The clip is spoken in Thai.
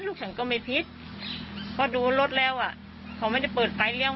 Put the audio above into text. ลูกฉันก็ไม่ผิดเพราะดูรถแล้วอ่ะเขาไม่ได้เปิดไฟเลี้ย